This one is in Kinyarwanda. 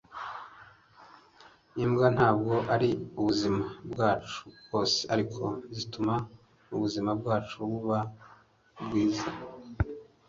imbwa ntabwo ari ubuzima bwacu bwose, ariko zituma ubuzima bwacu buba bwiza